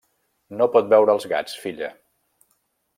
No pot veure els gats, filla.